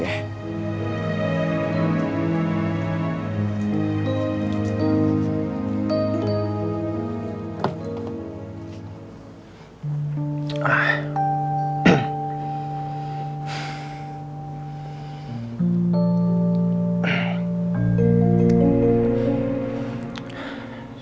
ngawas untuk lo